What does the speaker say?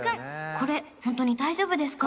これ本当に大丈夫ですか？